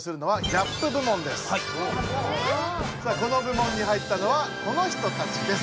・ギャップ⁉さあこの部門に入ったのはこの人たちです！